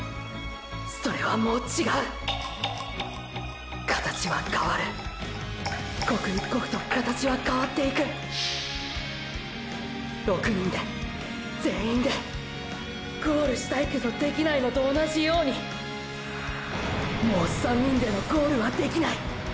それはもう違う形は変わる刻一刻と形は変わっていく６人で全員でゴールしたいけどできないのと同じようにもう３人でのゴールはできない！！